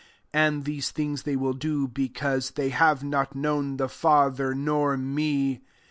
3 And these things they will do, because they have not known the Father, nor me.